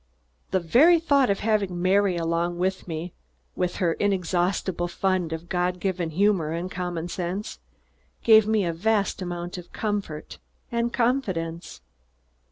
The very thought of having Mary along with me, with her inexhaustible fund of God given humor and common sense, gave me a vast amount of comfort and confidence.